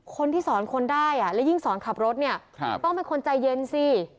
คนที่สอนคนได้และยิ่งสอนขับรถเนี่ยต้องเป็นคนใจเย็นสิ